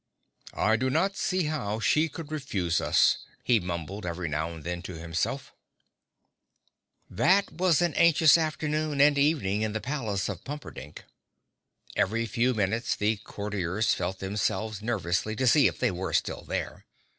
"I do not see how she could refuse us," he mumbled every now and then to himself. [Illustration: (unlabelled)] That was an anxious afternoon and evening in the palace of Pumperdink. Every few minutes the Courtiers felt themselves nervously to see if they were still there.